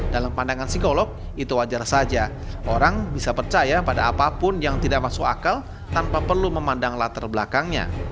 dalam pandangan psikolog itu wajar saja orang bisa percaya pada apapun yang tidak masuk akal tanpa perlu memandang latar belakangnya